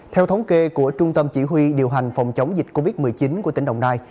theo thống kê của trung tâm chỉ huy điều hành phòng chống dịch covid một mươi chín của tỉnh đồng nai